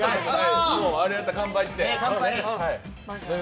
あれやったら、乾杯して。